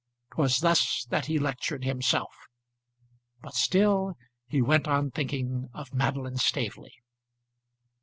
'Twas thus that he lectured himself; but still he went on thinking of Madeline Staveley.